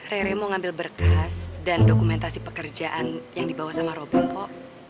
rere mau ngambil berkas dan dokumentasi pekerjaan yang dibawa sama robong kok